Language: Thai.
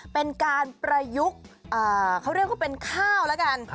เป็นการประยุกต์เขาเรียกว่าเป็นข้าวแล้วกัน